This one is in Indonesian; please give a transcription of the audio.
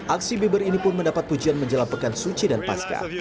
aksi bibir ini pun mendapat pujian menjelang pekan suci dan pasca